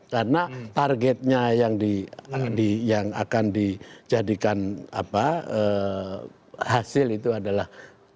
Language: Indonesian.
karena targetnya yang akan dijadikan hasil itu adalah dua ribu sembilan belas